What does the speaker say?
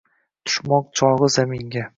Tushmoq chog’i zaminga…